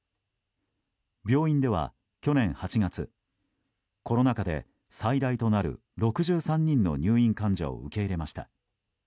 病院では去年８月コロナ禍で最大となる６３人の入院患者を受け入れました。